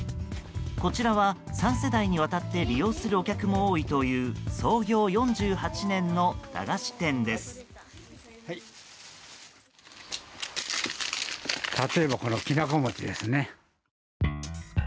こちらは３世代にわたって利用するお客も多いという創業４８年の駄菓子店です。